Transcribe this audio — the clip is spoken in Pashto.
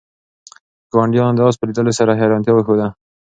ګاونډیانو د آس په لیدلو سره حیرانتیا وښوده.